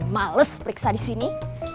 males periksa disini